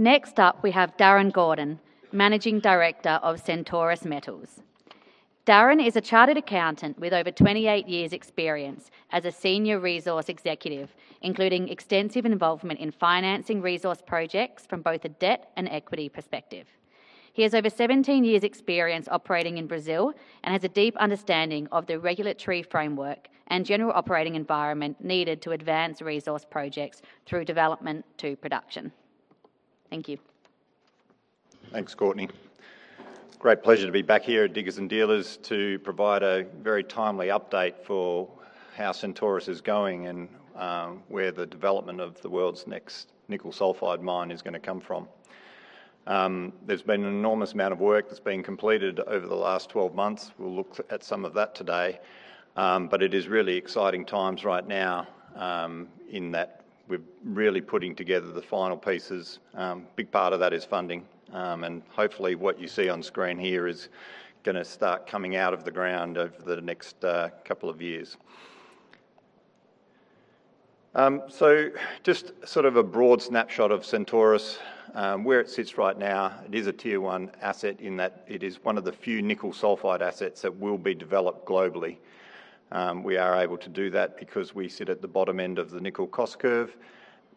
Next up, we have Darren Gordon, Managing Director of Centaurus Metals. Darren is a chartered accountant with over 28 years experience as a senior resource executive, including extensive involvement in financing resource projects from both a debt and equity perspective. He has over 17 years experience operating in Brazil and has a deep understanding of the regulatory framework and general operating environment needed to advance resource projects through development to production. Thank you. Thanks, Courtney. It's a great pleasure to be back here at Diggers & Dealers Mining Forum to provide a very timely update for how Centaurus is going and where the development of the world's next nickel sulphide mine is going to come from. There's been an enormous amount of work that's been completed over the last 12 months. We'll look at some of that today. It is really exciting times right now, in that we're really putting together the final pieces. Big part of that is funding. Hopefully what you see on screen here is going to start coming out of the ground over the next couple of years. Just sort of a broad snapshot of Centaurus, where it sits right now. It is a Tier One asset in that it is one of the few nickel sulphide assets that will be developed globally. We are able to do that because we sit at the bottom end of the nickel cost curve,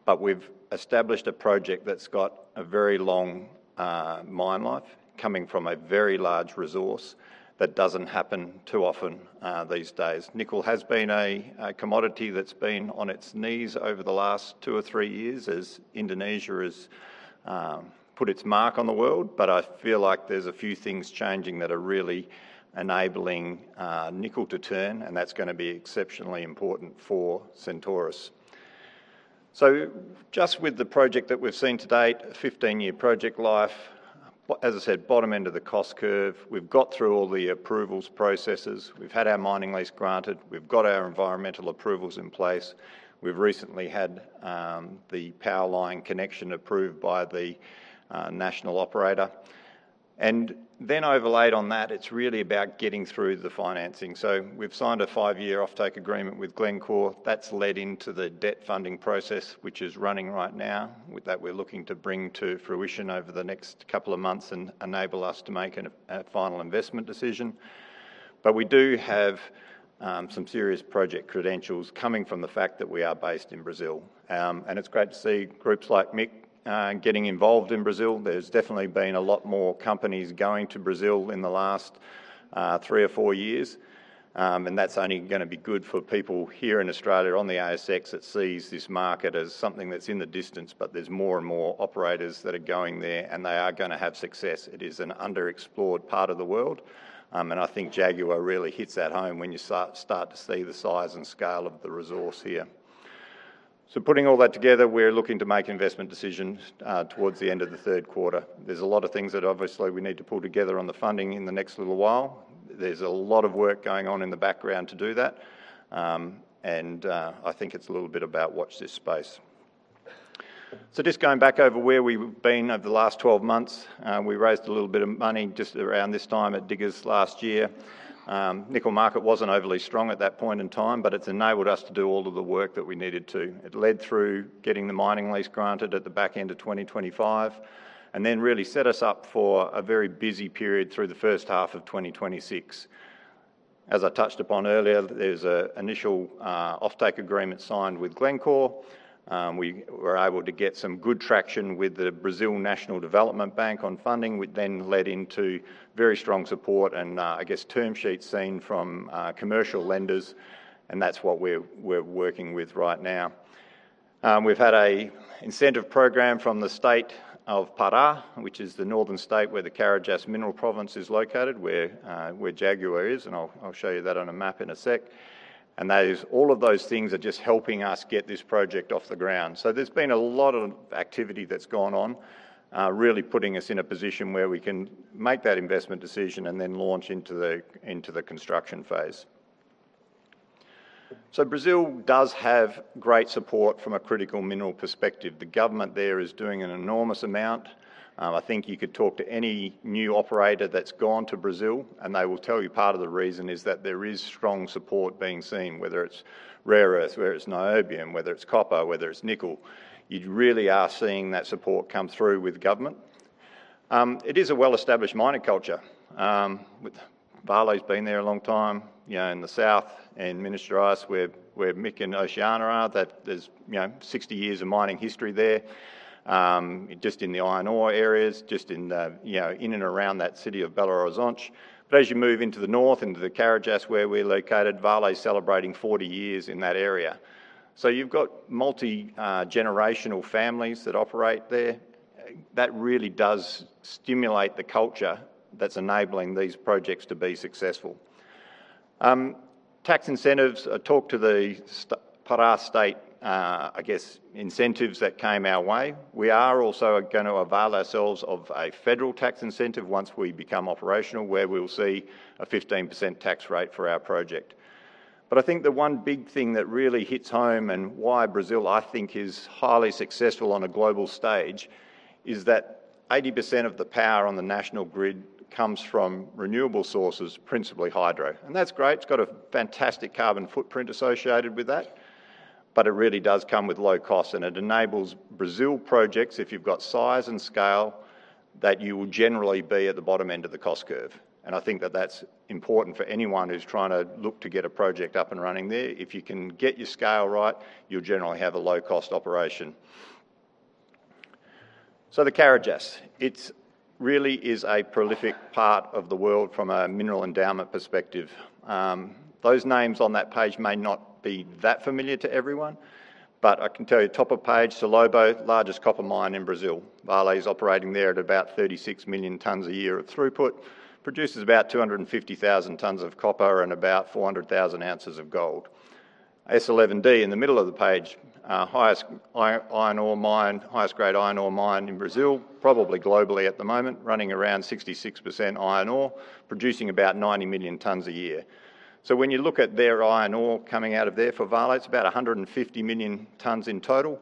but we've established a project that's got a very long mine life, coming from a very large resource. That doesn't happen too often these days. Nickel has been a commodity that's been on its knees over the last two or three years as Indonesia has put its mark on the world. I feel like there's a few things changing that are really enabling nickel to turn, and that's going to be exceptionally important for Centaurus. Just with the project that we've seen to date, a 15-year project life. As I said, bottom end of the cost curve. We've got through all the approvals processes. We've had our mining lease granted. We've got our environmental approvals in place. We've recently had the power line connection approved by the national operator. Overlaid on that, it's really about getting through the financing. We've signed a five-year offtake agreement with Glencore. That's led into the debt funding process, which is running right now. With that, we're looking to bring to fruition over the next couple of months and enable us to make a final investment decision. We do have some serious project credentials coming from the fact that we are based in Brazil. It's great to see groups like MIC getting involved in Brazil. There's definitely been a lot more companies going to Brazil in the last three or four years. That's only going to be good for people here in Australia on the ASX that sees this market as something that's in the distance. There's more and more operators that are going there, and they are going to have success. It is an underexplored part of the world. I think Jaguar really hits that home when you start to see the size and scale of the resource here. Putting all that together, we're looking to make investment decisions towards the end of the third quarter. There's a lot of things that obviously we need to pull together on the funding in the next little while. There's a lot of work going on in the background to do that. I think it's a little bit about watch this space. Just going back over where we've been over the last 12 months. We raised a little bit of money just around this time at Diggers last year. Nickel market wasn't overly strong at that point in time, but it's enabled us to do all of the work that we needed to. It led through getting the mining lease granted at the back end of 2025, then really set us up for a very busy period through the first half of 2026. As I touched upon earlier, there's an initial offtake agreement signed with Glencore. We were able to get some good traction with the Brazil National Development Bank on funding, which then led into very strong support and, I guess, term sheets seen from commercial lenders, and that's what we're working with right now. We've had an incentive program from the state of Pará, which is the northern state where the Carajás Mineral Province is located, where Jaguar is, and I'll show you that on a map in a sec. All of those things are just helping us get this project off the ground. There's been a lot of activity that's gone on, really putting us in a position where we can make that investment decision then launch into the construction phase. Brazil does have great support from a critical mineral perspective. The government there is doing an enormous amount. I think you could talk to any new operator that's gone to Brazil, and they will tell you part of the reason is that there is strong support being seen, whether it's rare earth, whether it's niobium, whether it's copper, whether it's nickel. You really are seeing that support come through with government. It is a well-established mining culture. Vale's been there a long time. In the south, in Minas Gerais, where MIC and Oceana are, there's 60 years of mining history there, just in the iron ore areas, just in and around that city of Belo Horizonte. As you move into the north, into the Carajás where we're located, Vale's celebrating 40 years in that area. You've got multi-generational families that operate there. That really does stimulate the culture that's enabling these projects to be successful. Tax incentives. I talked to the Pará state incentives that came our way. We are also going to avail ourselves of a federal tax incentive once we become operational, where we will see a 15% tax rate for our project. I think the one big thing that really hits home and why Brazil, I think, is highly successful on a global stage is that 80% of the power on the national grid comes from renewable sources, principally hydro. That's great. It's got a fantastic carbon footprint associated with that, but it really does come with low cost, it enables Brazil projects, if you've got size and scale, that you will generally be at the bottom end of the cost curve. I think that that's important for anyone who's trying to look to get a project up and running there. If you can get your scale right, you'll generally have a low-cost operation. The Carajás. It really is a prolific part of the world from a mineral endowment perspective. Those names on that page may not be that familiar to everyone, but I can tell you top of page, Salobo, largest copper mine in Brazil. Vale is operating there at about 36 million tons a year of throughput, produces about 250,000 tons of copper and about 400,000 oz of gold. S11D in the middle of the page, highest grade iron ore mine in Brazil, probably globally at the moment, running around 66% iron ore, producing about 90 million tons a year. When you look at their iron ore coming out of there for Vale, it's about 150 million tons in total.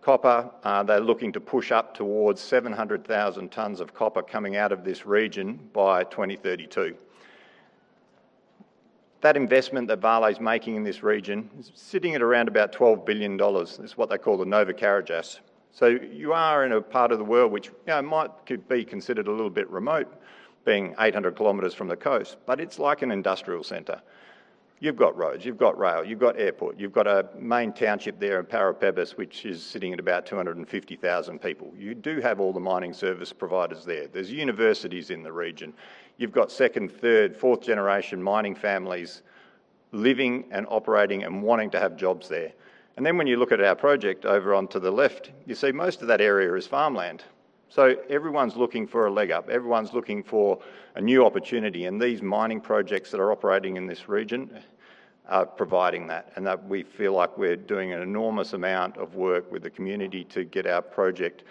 Copper, they're looking to push up towards 700,000 tons of copper coming out of this region by 2032. That investment that Vale's making in this region is sitting at around about 12 billion dollars. It's what they call the Nova Carajás. You are in a part of the world which might be considered a little bit remote, being 800 km from the coast, but it's like an industrial center. You've got roads, you've got rail, you've got airport, you've got a main township there in Parauapebas, which is sitting at about 250,000 people. You do have all the mining service providers there. There's universities in the region. You've got second, third, fourth-generation mining families living and operating and wanting to have jobs there. When you look at our project over onto the left, you see most of that area is farmland. Everyone's looking for a leg up. Everyone's looking for a new opportunity, and these mining projects that are operating in this region are providing that. That we feel like we're doing an enormous amount of work with the community to get our project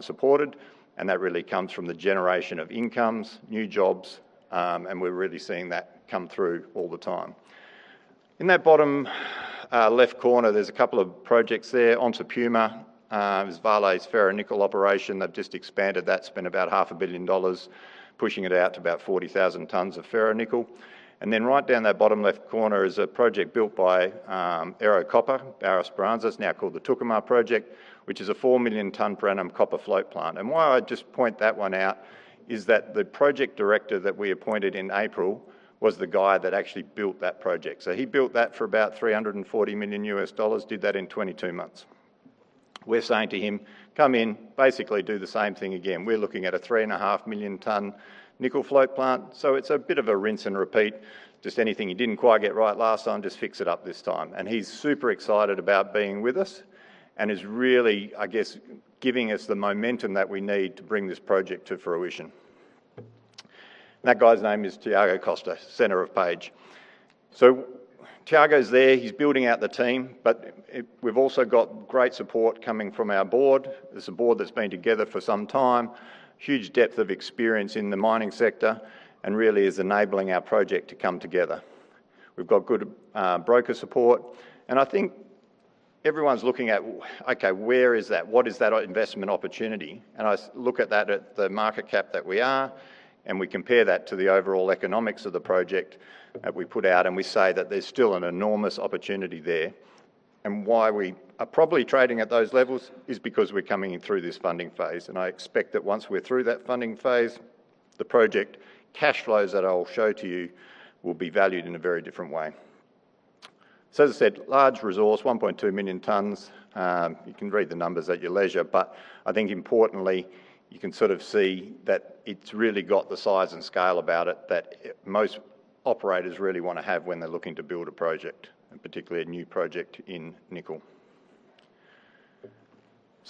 supported, and that really comes from the generation of incomes, new jobs, and we're really seeing that come through all the time. In that bottom left corner, there's a couple of projects there. Onça Puma is Vale's ferronickel operation. They've just expanded that, spent about 500 million dollars pushing it out to about 40,000 tons of ferronickel. Right down that bottom left corner is a project built by Ero Copper, Boa Esperança, now called the Tucumã Project, which is a 4 million ton per annum copper flotation plant. Why I just point that one out is that the project director that we appointed in April was the guy that actually built that project. He built that for about $340 million, did that in 22 months. We're saying to him, "Come in, basically do the same thing again." We're looking at a 3.5 million ton nickel flotation plant. It's a bit of a rinse and repeat. Just anything he didn't quite get right last time, just fix it up this time. He's super excited about being with us and is really, I guess, giving us the momentum that we need to bring this project to fruition. That guy's name is Thiago Costa, center of page. Thiago's there. He's building out the team. We've also got great support coming from our board. It's a Board that's been together for some time, huge depth of experience in the mining sector, and really is enabling our project to come together. We've got good broker support. I think everyone's looking at, okay, where is that? What is that investment opportunity? I look at that at the market cap that we are, and we compare that to the overall economics of the project that we put out, and we say that there's still an enormous opportunity there. Why we are probably trading at those levels is because we're coming in through this funding phase. I expect that once we're through that funding phase, the project cash flows that I'll show to you will be valued in a very different way. As I said, large resource, 1.2 million tons. You can read the numbers at your leisure, but I think importantly, you can sort of see that it's really got the size and scale about it that most operators really want to have when they're looking to build a project, and particularly a new project in nickel.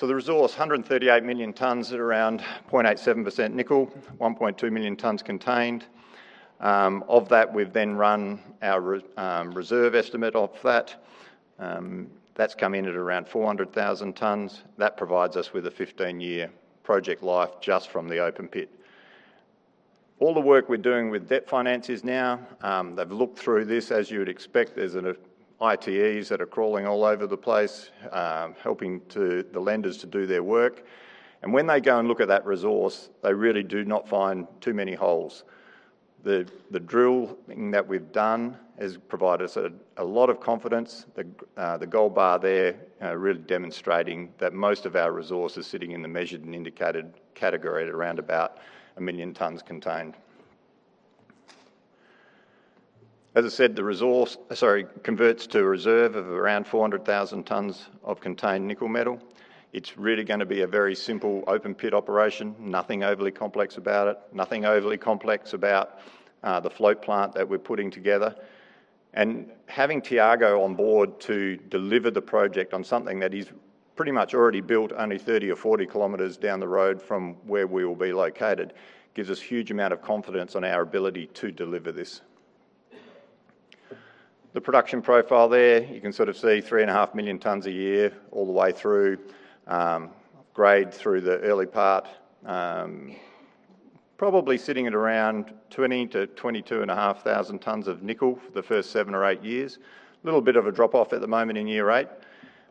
The resource, 138 million tons at around 0.87% nickel, 1.2 million tons contained. Of that, we've then run our reserve estimate of that. That's come in at around 400,000 tons. That provides us with a 15-year project life just from the open pit. All the work we're doing with debt finances now, they've looked through this, as you would expect. There's ITEs that are crawling all over the place, helping the lenders to do their work. When they go and look at that resource, they really do not find too many holes. The drilling that we've done has provided us a lot of confidence. The gold bar there really demonstrating that most of our resource is sitting in the measured and indicated category at around about 1 million tons contained. As I said, the resource, sorry, converts to a reserve of around 400,000 tons of contained nickel metal. It's really going to be a very simple open-pit operation. Nothing overly complex about it. Nothing overly complex about the float plant that we're putting together. Having Thiago on board to deliver the project on something that he's pretty much already built only 30 km or 40 km down the road from where we will be located gives us huge amount of confidence on our ability to deliver this. The production profile there, you can sort of see 3.5 million tons a year all the way through, grade through the early part. Probably sitting at around 20,000 tons-22,500 tons of nickel for the first seven or eight years. Little bit of a drop-off at the moment in year eight,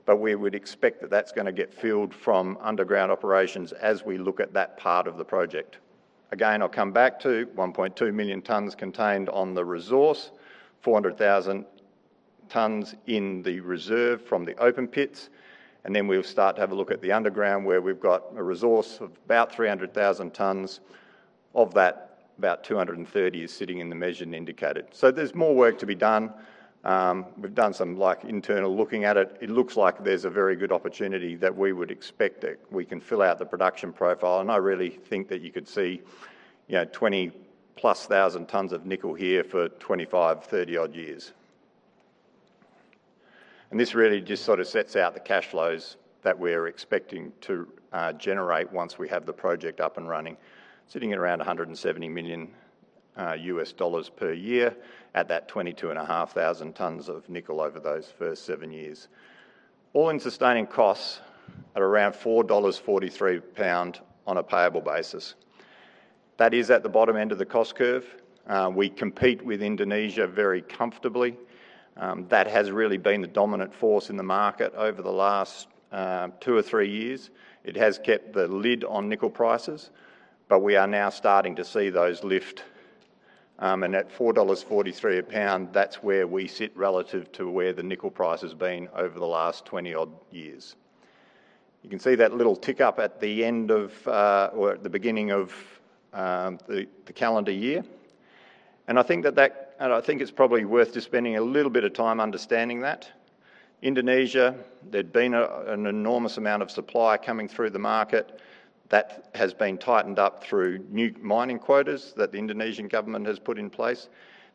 but we would expect that that's going to get filled from underground operations as we look at that part of the project. I'll come back to 1.2 million tons contained on the resource, 400,000 tons in the reserve from the open pits, then we'll start to have a look at the underground where we've got a resource of about 300,000 tons. Of that, about 230 tons is sitting in the measured and indicated. There's more work to be done. We've done some internal looking at it. It looks like there's a very good opportunity that we would expect that we can fill out the production profile, I really think that you could see 20,000+ tons of nickel here for 25, 30-odd years. This really just sort of sets out the cash flows that we're expecting to generate once we have the project up and running. Sitting at around $170 million per year at that 22,500 tons of nickel over those first seven years. All-in sustaining costs at around 4.43 dollars a pound on a payable basis. That is at the bottom end of the cost curve. We compete with Indonesia very comfortably. That has really been the dominant force in the market over the last two or three years. It has kept the lid on nickel prices, we are now starting to see those lift. At 4.43 dollars a pound, that's where we sit relative to where the nickel price has been over the last 20-odd years. You can see that little tick-up at the beginning of the calendar year. I think it's probably worth just spending a little bit of time understanding that. Indonesia. There'd been an enormous amount of supply coming through the market. That has been tightened up through new mining quotas that the Indonesian government has put in place.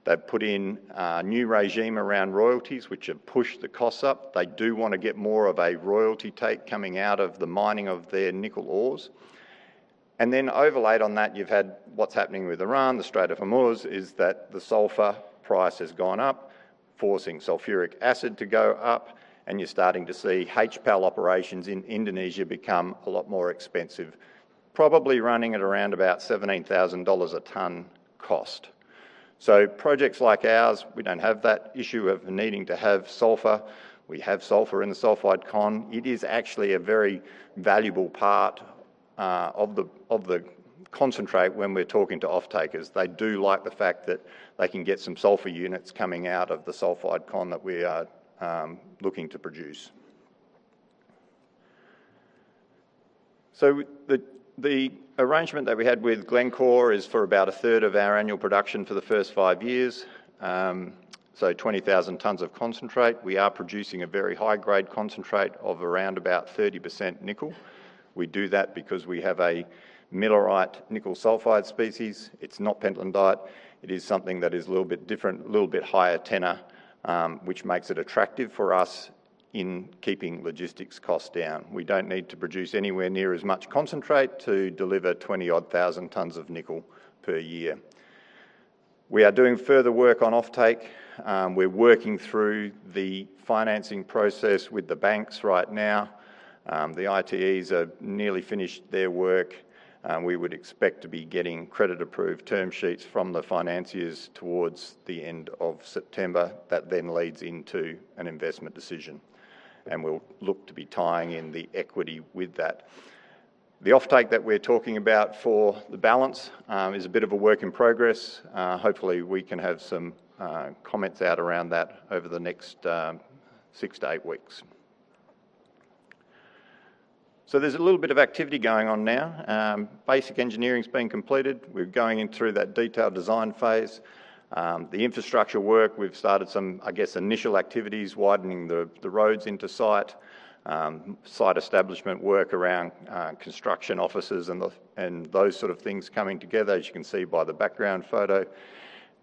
They've put in a new regime around royalties, which have pushed the costs up. They do want to get more of a royalty take coming out of the mining of their nickel ores. Then overlaid on that, you've had what's happening with Iran, the Strait of Hormuz, is that the sulfur price has gone up, forcing sulfuric acid to go up, and you're starting to see HPAL operations in Indonesia become a lot more expensive. Probably running at around about 17,000 dollars a ton cost. Projects like ours, we don't have that issue of needing to have sulfur. We have sulfur in the sulfide con. It is actually a very valuable part of the concentrate when we're talking to off-takers. They do like the fact that they can get some sulfur units coming out of the sulfide con that we are looking to produce. The arrangement that we had with Glencore is for about 1/3 of our annual production for the first five years, 20,000 tons of concentrate. We are producing a very high-grade concentrate of around about 30% nickel. We do that because we have a millerite nickel sulfide species. It's not pentlandite. It is something that is a little bit different, little bit higher tenor, which makes it attractive for us in keeping logistics costs down. We don't need to produce anywhere near as much concentrate to deliver 20,000-odd tons of nickel per year. We are doing further work on off-take. We're working through the financing process with the banks right now. The ITEs have nearly finished their work. We would expect to be getting credit-approved term sheets from the financiers towards the end of September. That leads into an investment decision. We'll look to be tying in the equity with that. The offtake that we're talking about for the balance is a bit of a work in progress. Hopefully, we can have some comments out around that over the next six to eight weeks. There's a little bit of activity going on now. Basic engineering's been completed. We're going in through that detailed design phase. The infrastructure work, we've started some, I guess, initial activities, widening the roads into site. Site establishment work around construction offices and those sort of things coming together, as you can see by the background photo.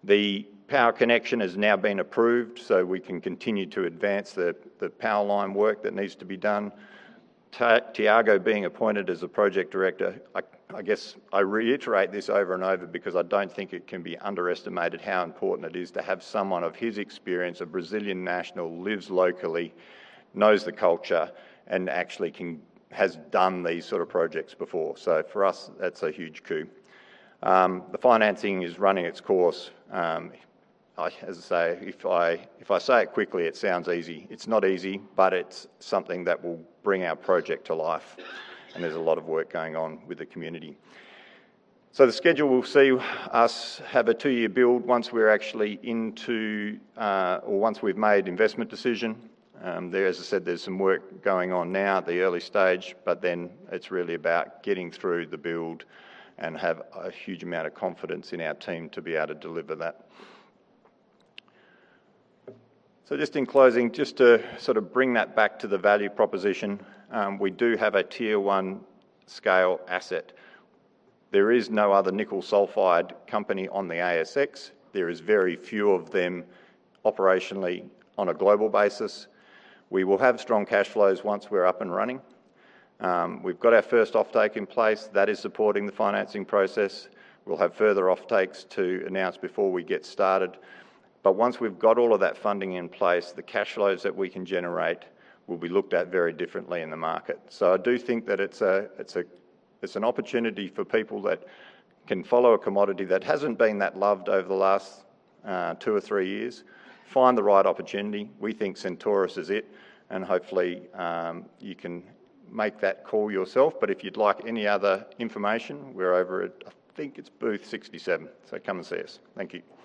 The power connection has now been approved, so we can continue to advance the power line work that needs to be done. Thiago being appointed as the Project Director, I guess I reiterate this over and over because I don't think it can be underestimated how important it is to have someone of his experience, a Brazilian national, lives locally, knows the culture, and actually has done these sort of projects before. For us, that's a huge coup. The financing is running its course. If I say it quickly, it sounds easy. It's not easy, but it's something that will bring our project to life, and there's a lot of work going on with the community. The schedule will see us have a two-year build once we've made investment decision. There, as I said, there's some work going on now at the early stage, it's really about getting through the build and have a huge amount of confidence in our team to be able to deliver that. Just in closing, just to sort of bring that back to the value proposition. We do have a Tier One scale asset. There is no other nickel sulphide company on the ASX. There is very few of them operationally on a global basis. We will have strong cash flows once we're up and running. We've got our first offtake in place. That is supporting the financing process. We'll have further offtakes to announce before we get started. Once we've got all of that funding in place, the cash flows that we can generate will be looked at very differently in the market. I do think that it's an opportunity for people that can follow a commodity that hasn't been that loved over the last two or three years. Find the right opportunity. We think Centaurus is it, and hopefully you can make that call yourself. If you'd like any other information, we're over at, I think it's booth 67. Come and see us. Thank you.